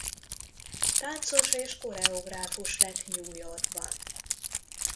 Táncos és koreográfus lett New Yorkban.